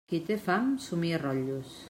Qui té fam somia rotllos.